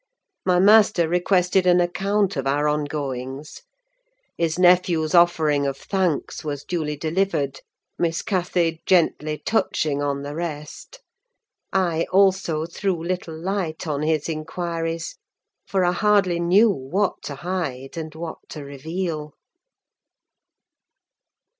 My master requested an account of our ongoings. His nephew's offering of thanks was duly delivered, Miss Cathy gently touching on the rest: I also threw little light on his inquiries, for I hardly knew what to hide and what to reveal.